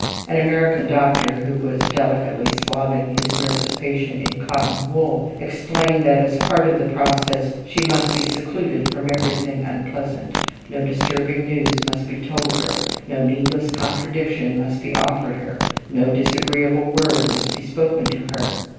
An American doctor who was delicately swathing his nervous patient in cotton wool, explained that, as part of the process, she must be secluded from everything unpleasant. No disturbing news must be told her. No needless contradiction must be offered her. No disagreeable word must be spoken to her.